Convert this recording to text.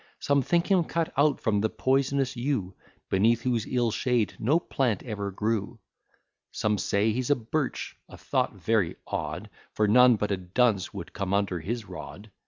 Some think him cut out from the poisonous yew, Beneath whose ill shade no plant ever grew. Some say he's a birch, a thought very odd; For none but a dunce would come under his rod.